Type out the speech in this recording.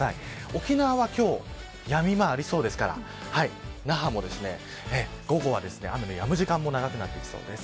沖縄は今日やみ間がありそうですから那覇も午後は雨のやむ時間も長くなりそうです。